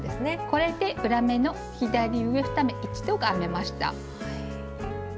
これで「裏目の左上２目一度」が編めました。